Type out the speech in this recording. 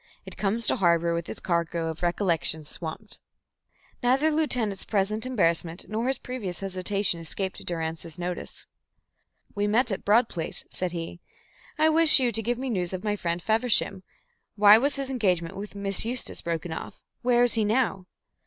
It comes to harbour with its cargo of recollections swamped." Neither the lieutenant's present embarrassment nor his previous hesitation escaped Durrance's notice. "We met at Broad Place," said he. "I wish you to give me news of my friend Feversham. Why was his engagement with Miss Eustace broken off? Where is he now?"